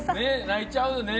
泣いちゃうよね